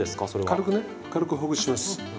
軽くほぐします。